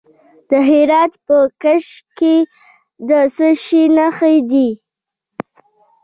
د هرات په کشک کې د څه شي نښې دي؟